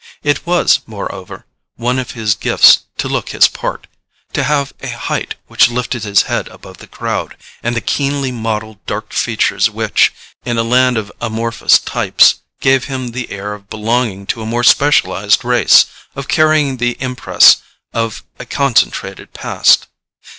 It was, moreover, one of his gifts to look his part; to have a height which lifted his head above the crowd, and the keenly modelled dark features which, in a land of amorphous types, gave him the air of belonging to a more specialized race, of carrying the impress of a concentrated past.